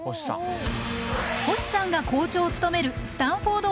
星さんが校長を務めるスタンフォード